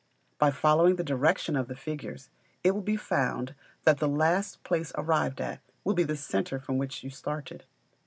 By following the direction of the figures, it will be found that the last place arrived at will be the centre from which you started.